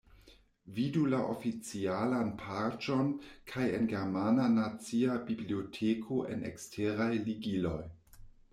Vidu la oficialan paĝon kaj en Germana Nacia Biblioteko en eksteraj ligiloj.